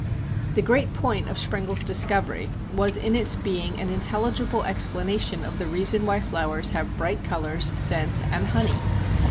The great point of Sprengel's discovery was in its being an intelligible explanation of the reason why flowers have bright colours, scent, and honey.